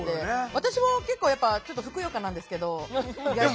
私も結構ちょっとふくよかなんですけど意外と。